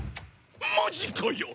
マジかよ！